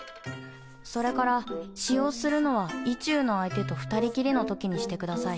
それから使用するのは意中の相手と２人きりの時にしてください。